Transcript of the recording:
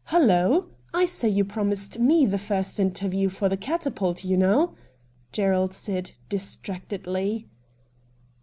' Hallo ! I say, you promised me the first interview for the " Catapult," you know,' Gerald said, distractedly.